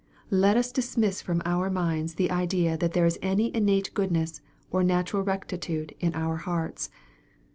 Let us dismiss from our minds the idea that there is any innate goodness or natural rectitude, in our hearts.